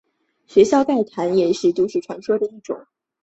学校怪谈也是都市传说的一种。